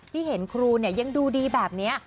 ที่เห็นครูเนี่ยยังดูดีแบบเนี้ย